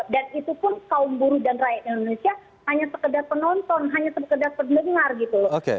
dan itu pun kaum buruh dan rakyat indonesia hanya sekedar penonton hanya sekedar pendengar gitu loh